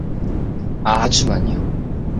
아주 많이요.